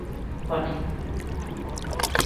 Koni.